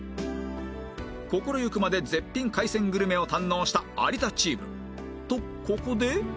心ゆくまで絶品海鮮グルメを堪能した有田チーム。とここで